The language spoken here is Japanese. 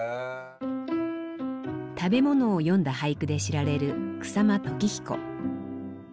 食べ物を詠んだ俳句で知られる草間時彦。